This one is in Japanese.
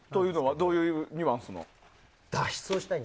どういうニュアンスの？